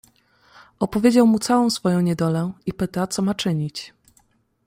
"Opowiedział mu całą swoją niedolę i pyta, co ma czynić."